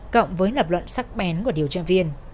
cộng với lập luận sắc bén của điều tra viên